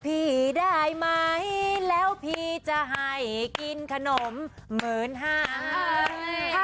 พี่ได้ไหมแล้วพี่จะให้กินขนม๑๕๐๐๐วีท